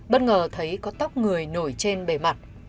bất ngờ thấy có tóc người nổi trên bề mặt